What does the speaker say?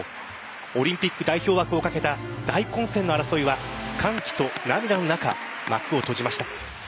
オリンピック代表枠を懸けた大混戦の争いは、歓喜の涙の中幕を閉じました。